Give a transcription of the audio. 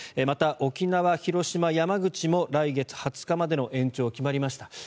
また、沖縄、広島、山口も来月２０日までの延長が決まりました。